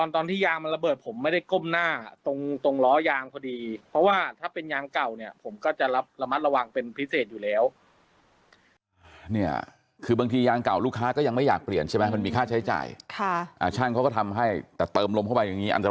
ตอนที่ยางมันระเบิดผมไม่ได้ก้มหน้า